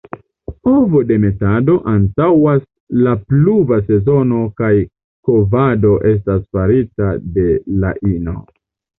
Ovodemetado antaŭas la pluva sezono kaj kovado estas farita de la ino.